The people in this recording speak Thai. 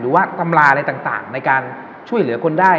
หรือว่าตำราอะไรต่างในการช่วยเหลือคนได้